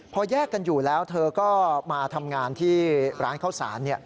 พอแยกกันอยู่แล้วเธอก็มาทำงานที่ร้านข้าวสาร